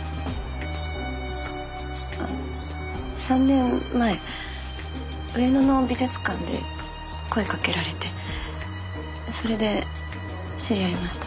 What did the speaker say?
あっ３年前上野の美術館で声かけられてそれで知り合いました。